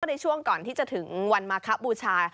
ในช่วงก่อนที่จะถึงวันมาคบูชา